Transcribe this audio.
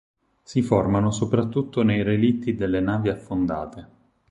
Si formano soprattutto nei relitti delle navi affondate.